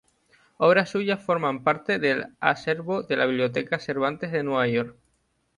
Obras suyas forman parte del acervo de la Biblioteca Cervantes de Nueva York.